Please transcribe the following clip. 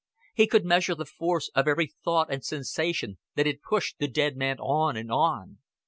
He could measure the force of every thought and sensation that had pushed the dead man on and on.